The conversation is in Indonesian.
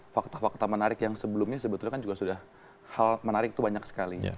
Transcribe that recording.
fakta fakta menarik yang sebelumnya sebetulnya kan juga sudah hal menarik itu banyak sekali